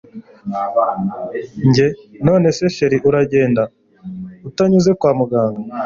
Njye none se chr ubu uragenda utanyuze kwa muganga